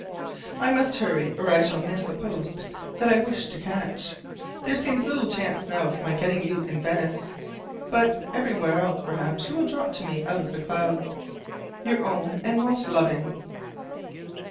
I must hurry or I shall miss the post that I wish to catch. There seems little chance now of my getting you in Venice; but elsewhere perhaps you will drop to me out of the clouds. Your own and most loving.